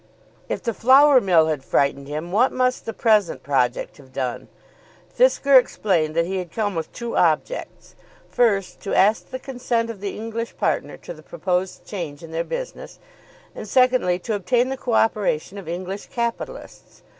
If the flour mill had frightened him, what must the present project have done! Fisker explained that he had come with two objects, first to ask the consent of the English partner to the proposed change in their business, and secondly to obtain the co operation of English capitalists.